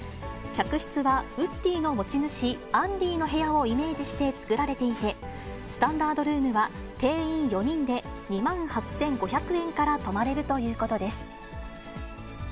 客室はウッディの持ち主、アンディの部屋をイメージして作られていて、スタンダードルームは定員４人で、２万８５００円から泊まれるということです。